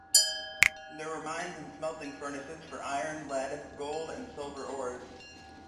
There were mines and smelting furnaces for iron, lead, gold and silver ores.